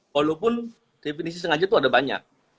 walaupun definisi sengaja itu ada banyak